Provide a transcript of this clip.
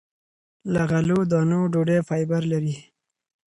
له غلو- دانو ډوډۍ فایبر لري.